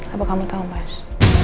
apa kamu tau mas